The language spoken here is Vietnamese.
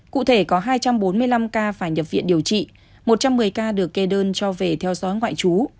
cụ thể có hai trăm bốn mươi năm ca phải nhập viện điều trị một trăm một mươi ca được kê đơn cho về theo dõi ngoại trú